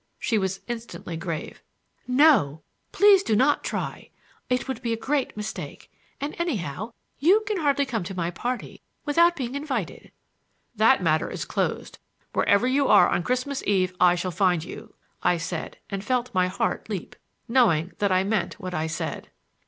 She was instantly grave. "No! Please do not try. It would be a great mistake. And, anyhow, you can hardly come to my party without being invited." "That matter is closed. Wherever you are on Christmas Eve I shall find you," I said, and felt my heart leap, knowing that I meant what I said.